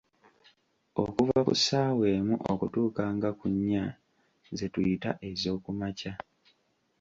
"Okuva ku ssaawa emu okutuuka nga ku nnya, ze tuyita ezookumankya."